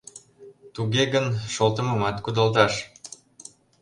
— Туге гын, шолтымымат кудалташ...